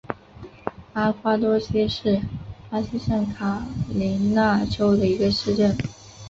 阿瓜多西是巴西圣卡塔琳娜州的一个市镇。